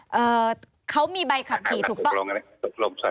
อ่าเขามีใบขับขี่ถูกต้อง